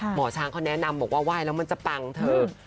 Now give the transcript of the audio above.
หมอช้างเขาแนะนำบอกว่าไหว้แล้วมันจะปังเถอะ